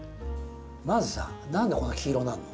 まずさ何でこんな黄色になるの？